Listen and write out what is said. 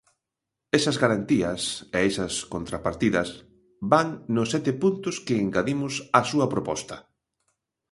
Esas garantías e esas contrapartidas van nos sete puntos que engadimos á súa proposta.